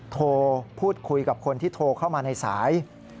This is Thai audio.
โทรพูดคุยกับคนที่โทรเข้ามาในสาย